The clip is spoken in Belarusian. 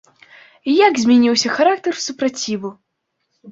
Як змяніўся характар супраціву?